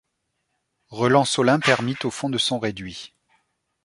Relance Olympe ermite au fond de son réduit ;